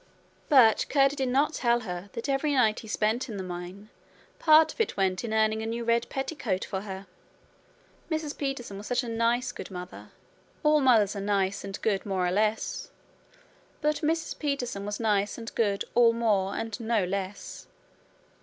But Curdie did not tell her that every night he spent in the mine, part of it went in earning a new red petticoat for her. Mrs. Peterson was such a nice good mother! All mothers are nice and good more or less, but Mrs. Peterson was nice and good all more and no less.